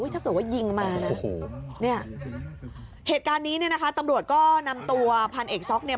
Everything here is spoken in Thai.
ถ้าเกิดว่ายิงมานะโอ้โหเนี่ยเหตุการณ์นี้เนี่ยนะคะตำรวจก็นำตัวพันเอกซ็อกเนี่ย